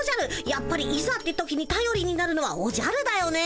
やっぱりいざって時にたよりになるのはおじゃるだよね。